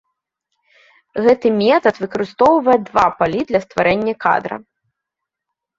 Гэты метад выкарыстоўвае два палі для стварэння кадра.